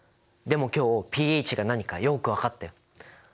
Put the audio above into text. でも今日ｐＨが何かよく分かったよ。